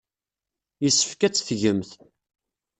Yessefk ad tt-tgemt.